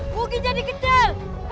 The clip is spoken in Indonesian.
mungkin jadi kecil